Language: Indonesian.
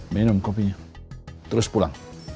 minum kopinya terus pulang